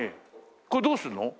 これどうするの？